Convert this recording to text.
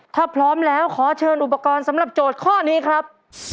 ถ้าพร้อมแล้วขอเชิญอุปกรณ์สำหรับโจทย์ข้อนี้ครับ